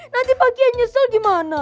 nanti pak kiai nyesel gimana